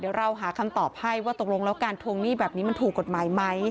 เดี๋ยวเราหาคำตอบให้ว่าตกลงแล้วการทวงหนี้แบบนี้มันถูกกฎหมายไหม